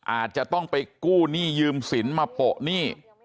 อาจจะต้องไปกู้หนี้ยืมสินมาโปะหนี้